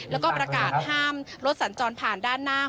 แล้วก็ประกาศห้ามรถสัญจรผ่านด้านหน้า